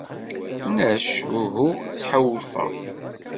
Nec uhu ttḥewwfeɣ.